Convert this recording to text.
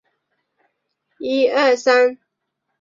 发现客厅没开灯